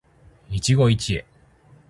一期一会